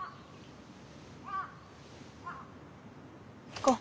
行こう。